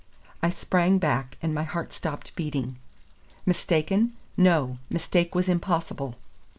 I sprang back, and my heart stopped beating. Mistaken! no, mistake was impossible.